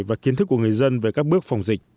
và kiến thức của người dân về các bước phòng dịch